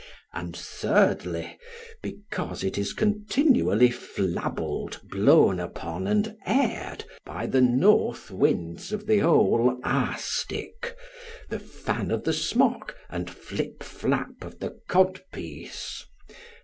And thirdly, because it is continually flabbelled, blown upon, and aired by the north winds of the hole arstick, the fan of the smock, and flipflap of the codpiece.